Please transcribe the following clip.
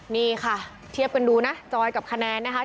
นี่ค่ะเทียบกันดูนะจอยกับคะแนนนะคะ